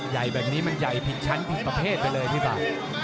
ใหญ่แบบนี้มันใหญ่ผิดชั้นผิดประเภทไปเลยพี่บาท